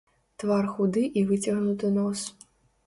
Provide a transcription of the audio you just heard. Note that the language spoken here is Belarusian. Твар худы і выцягнуты нос.